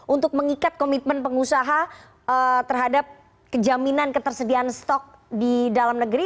untuk mengikat komitmen pengusaha terhadap kejaminan ketersediaan stok di dalam negeri